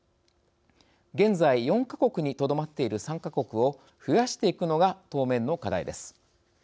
現在４か国にとどまっている参加国を増やしていくのが当面の課題です。